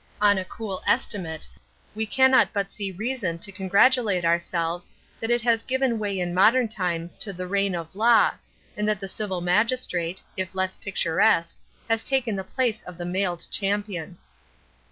On a cool estimate, we cannot but see reason to congratulate ourselves that it has given way in modern times to the reign of law, and that the civil magistrate, if less picturesque, has taken the place of the mailed champion.